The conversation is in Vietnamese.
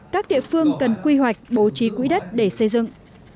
các địa phương cần quy hoạch bố trí quỹ đất để xây dựng